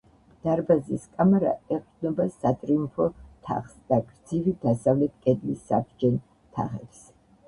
დარბაზის კამარა ეყრდნობა სატრიუმფო თაღს და გრძივი დასავლეთ კედლის საბჯენ თაღებს.